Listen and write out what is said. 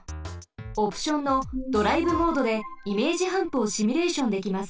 オプションのドライブモードでイメージハンプをシミュレーションできます。